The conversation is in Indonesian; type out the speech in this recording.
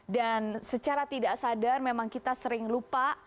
dan secara tidak sadar memang kita sering lupa